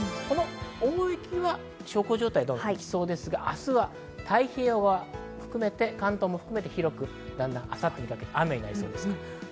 大雪は小康状態となりそうですが、明日は太平洋側を含めて関東も含めて広く、明後日にかけて雨になりそうです。